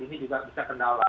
ini juga bisa kendala